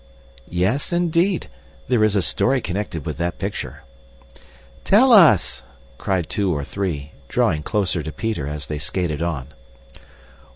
"Yes, indeed. There is a story connected with that picture." "Tell us!" cried two or three, drawing closer to Peter as they skated on.